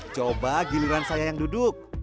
coba giliran saya yang duduk